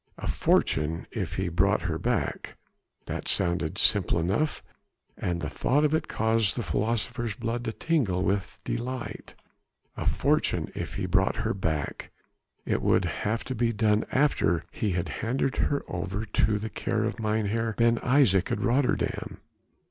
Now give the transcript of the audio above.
A fortune if he brought her back! That sounded simple enough, and the thought of it caused the philosopher's blood to tingle with delight. A fortune if he brought her back! It would have to be done after he had handed her over into the care of Mynheer Ben Isaje at Rotterdam.